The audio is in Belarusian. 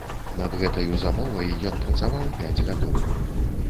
Над гэтаю замовай ён працаваў пяць гадоў.